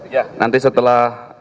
ya nanti setelah